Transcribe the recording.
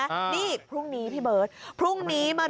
คุณผู้ชมครับคุณผู้ชมครับ